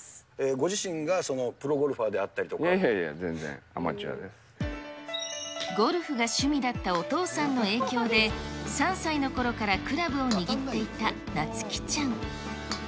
ご自身がプロゴルファーであいやいやいや、全然、アマチゴルフが趣味だったお父さんの影響で、３歳のころからクラブを握っていたなつ希ちゃん。